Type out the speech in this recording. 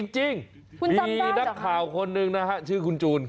จริงมีนักข่าวคนหนึ่งนะฮะชื่อคุณจูน